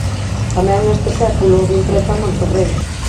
Tamén neste século houbo imprenta en Monterrei.